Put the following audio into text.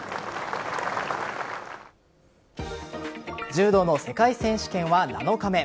柔道の世界選手権は７日目。